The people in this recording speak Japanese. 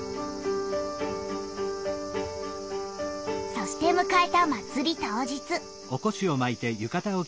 そしてむかえた祭り当日。